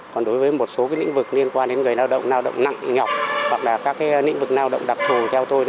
còn đối với một số những vực liên quan đến người lao động nặng nhọc hoặc là các những vực lao động đặc thù theo tôi